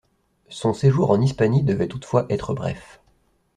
Son séjour en Hispanie devait toutefois être bref.